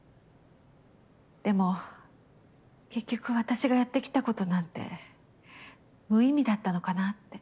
でも結局私がやってきたことなんて無意味だったのかなって。